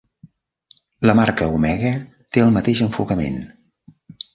La marca Omega té el mateix enfocament.